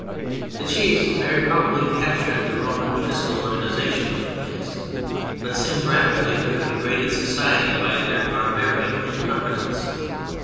The chiefs very probably captured the Roman fiscal organization of the place, but seem rapidly to have degraded society by their barbaric incompetence.